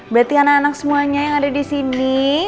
berarti anak anak semuanya yang ada di sini